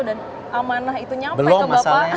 dan amanah itu nyampe ke bapak